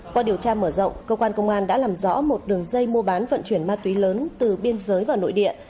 qua điều tra mở rộng cơ quan công an đã làm rõ một đường dây mua bán vận chuyển ma túy lớn từ biên giới vào nội địa